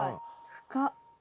深っ！